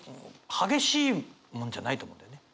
激しいもんじゃないと思うんだよね。